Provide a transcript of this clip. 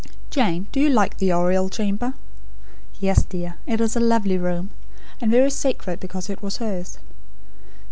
Jane, do you like the Oriel chamber?" "Yes, dear. It is a lovely room; and very sacred because it was hers.